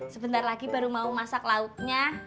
sebentar lagi baru mau masak lautnya